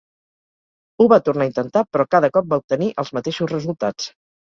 Ho va tornar a intentar, però cada cop va obtenir els mateixos resultats.